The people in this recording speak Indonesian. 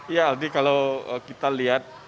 ya aldi kalau kita lihat